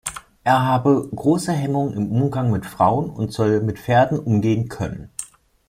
Er habe große Hemmungen im Umgang mit Frauen und soll mit Pferden umgehen können.